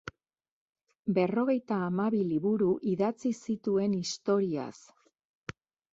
Berrogeita hamabi liburu idatzi zituen historiaz.